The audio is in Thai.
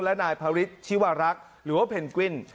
และนายพริษชีวรักหรือว่าเพนกวิ่น